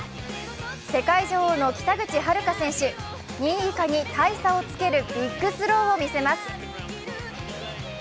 世界女王の北口榛花選手、２位以下に大差をつけるビッグスローを見せます。